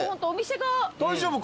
大丈夫かな。